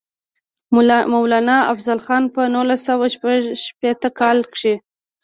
مولانا افضل خان پۀ نولس سوه شپږيشتم کال کښې